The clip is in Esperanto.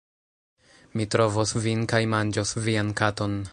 Mi trovos vin kaj manĝos vian katon!